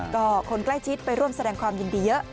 ก็คนใกล้ชิดไปร่วมแสดงความยินดีเยอะ